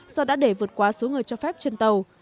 do đã để vượt qua số người cho phép trên tàu